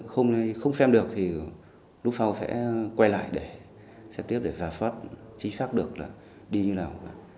không xem được thì lúc sau sẽ quay lại để tiếp để giả soát chính xác được là đi như nào cả